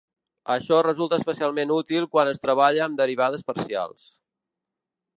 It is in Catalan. Això resulta especialment útil quan es treballa amb derivades parcials.